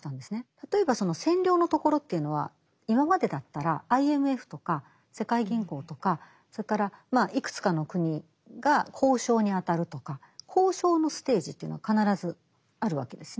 例えばその占領のところというのは今までだったらＩＭＦとか世界銀行とかそれからまあいくつかの国が交渉に当たるとか交渉のステージというのは必ずあるわけですね。